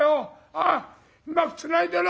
ああうまくつないでろ。